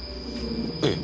ええ。